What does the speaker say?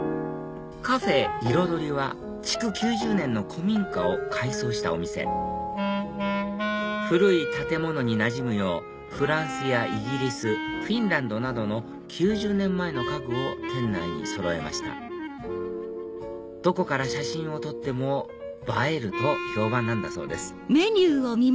カフェｉｒｏｄｏｒｉは築９０年の古民家を改装したお店古い建物になじむようフランスやイギリスフィンランドなどの９０年前の家具を店内にそろえましたどこから写真を撮っても映えると評判なんだそうです